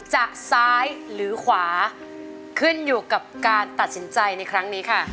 ซ้ายหรือขวาขึ้นอยู่กับการตัดสินใจในครั้งนี้ค่ะ